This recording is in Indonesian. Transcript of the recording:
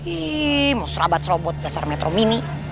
ih mau serabat serobot dasar metro mini